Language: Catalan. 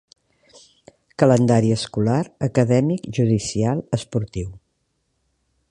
Calendari escolar, acadèmic, judicial, esportiu.